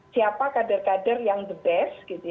siapa kader kader yang the best gitu ya